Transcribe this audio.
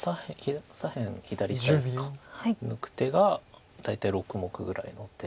左辺左下ですか抜く手が大体６目ぐらいの手。